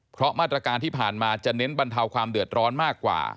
เพราะมาตรการที่ผ่านมาจะเน้นบรรเทาความเดือดร้อนมากกว่า